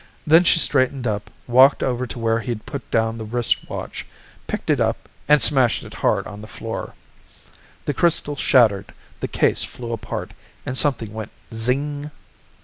Then she straightened up, walked over to where he'd put down the wristwatch, picked it up and smashed it hard on the floor. The crystal shattered, the case flew apart, and something went _zing!